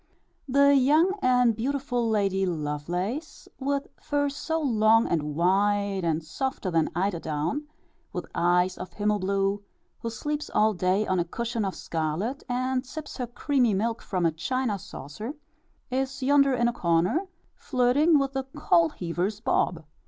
The young and beautiful Lady Lovelace, with fur so long and white, and softer than eider down, with eyes of himmel blue, who sleeps all day on a cushion of scarlet, and sips her creamy milk from a china saucer, is yonder in a corner, flirting with the coal heaver's Bob.